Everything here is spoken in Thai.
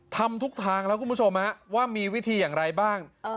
ทำทุกทางแล้วคุณผู้ชมว่ามีวิธีอย่างไรบ้าง